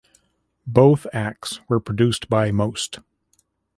Both acts were produced by Most.